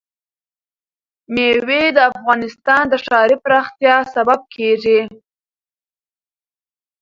مېوې د افغانستان د ښاري پراختیا سبب کېږي.